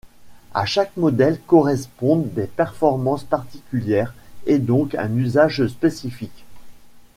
À chaque modèle correspondent des performances particulières et donc un usage spécifique.